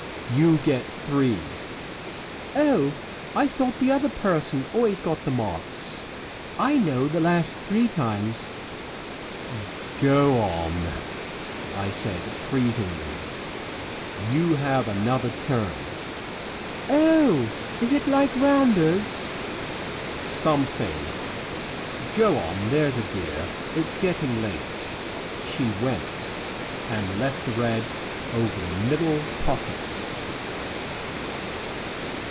"You get three." "Oh, I thought the other person always got the marks. I know the last three times " "Go on," I said freezingly. "You have another turn." "Oh, is it like rounders?" "Something. Go on, there's a dear. It's getting late." She went, and left the red over the middle pocket.